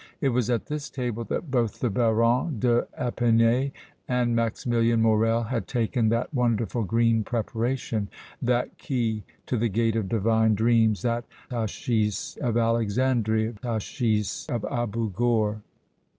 It was at this table that both the Baron d' Epinay and Maximilian Morrel had taken that wonderful green preparation, that key to the gate of divine dreams, the hatchis of Alexandria, the hatchis of Abou Gor.